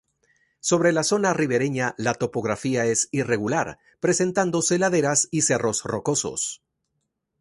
Sobre la zona ribereña la topografía es irregular, presentándose laderas y cerros rocosos.